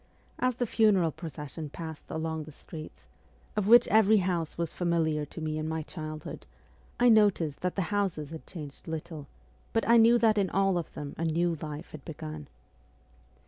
As the funeral proces sion passed along the streets, of which every house was familiar to me in my childhood, I noticed that the houses had changed little, but I knew that in all of them a new life had begun.